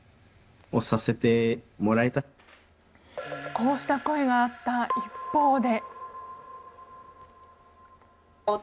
こうした声があった一方で。